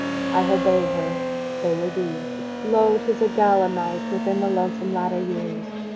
I obeyed her. They were these: Lo! 'tis a gala night Within the lonesome latter years!